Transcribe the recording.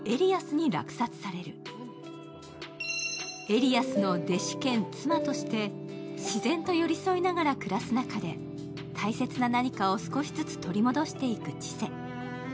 エリアスの弟子兼妻として自然と寄り添いながら暮らす中で大切な何かを少しずつ取り戻していくチセ。